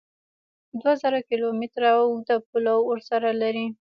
دوه زره کیلو متره اوږده پوله ورسره لري